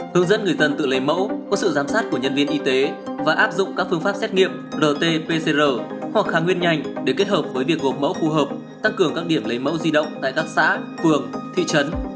hướng dẫn người dân tự lấy mẫu có sự giám sát của nhân viên y tế và áp dụng các phương pháp xét nghiệm rt pcr hoặc kháng nguyên nhanh để kết hợp với việc gộp mẫu phù hợp tăng cường các điểm lấy mẫu di động tại các xã phường thị trấn